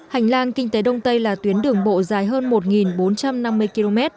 hành lang kinh tế đông tây là tuyến đường bộ dài hơn một bốn trăm năm mươi km